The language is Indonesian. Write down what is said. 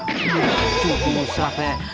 cukup musah peh